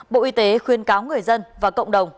bộ y tế khuyên cáo người dân và cộng đồng